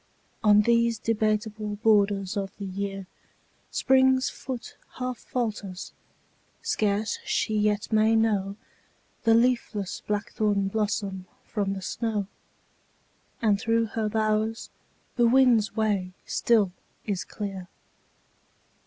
On these debateable* borders of the year Spring's foot half falters; scarce she yet may know The leafless blackthorn blossom from the snow; And through her bowers the wind's way still is clear.